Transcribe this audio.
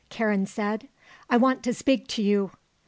Karen said. "I want to speak to you."